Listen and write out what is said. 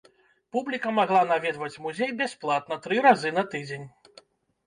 Публіка магла наведваць музей бясплатна тры разы на тыдзень.